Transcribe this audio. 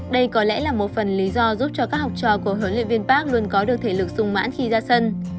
đây có lẽ là một phần lý do giúp cho các học trò của huấn luyện viên park luôn có được thể lực sung mãn khi ra sân